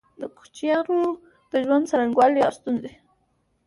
د کوچيانو د ژوند څرنګوالی او ستونزي